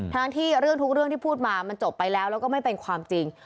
ทั้งที่เรื่องทุกเรื่องที่พูดมามันจบไปแล้วแล้วก็ไม่เป็นความจริง